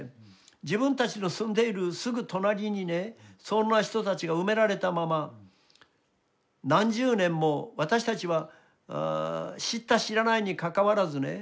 自分たちの住んでいるすぐ隣にねそんな人たちが埋められたまま何十年も私たちは知った知らないにかかわらずね